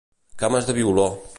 Cames de violó.